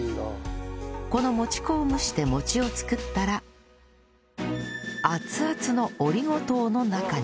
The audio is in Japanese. このもち粉を蒸して餅を作ったら熱々のオリゴ糖の中に